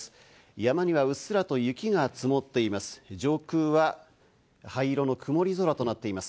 山にはうっすらと雪が積もっています。